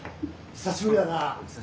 久しぶりだな。